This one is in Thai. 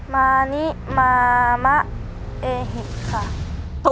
มานิมามะเอหิค่ะ